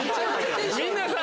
みんなさ。